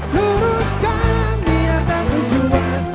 luruskan niat dan tujuan